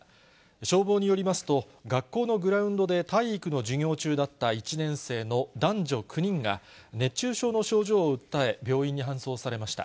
消防によりますと、学校のグラウンドで体育の授業中だった１年生の男女９人が、熱中症の症状を訴え、病院に搬送されました。